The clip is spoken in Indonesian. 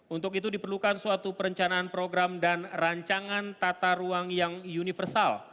untuk itu diperlukan suatu perencanaan program dan rancangan tata ruang yang universal